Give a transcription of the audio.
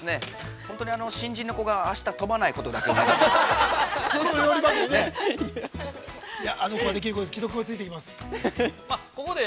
本当に、新人の子が、あした飛ばないことだけ願ってます。